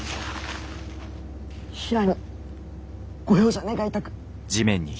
平にご容赦願いたく。